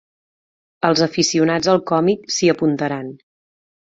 Els aficionats al còmic s'hi apuntaran.